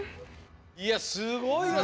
いやすごいよさ